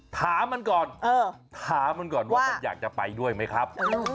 ถามมันก่อนถามมันก่อนว่ามันอยากจะไปด้วยไหมครับ